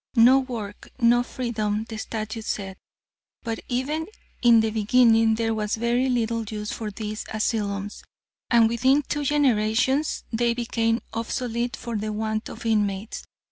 No work, no freedom, the statute said. But even in the beginning there was very little use for these asylums, and within two generations they became obsolete for the want of inmates.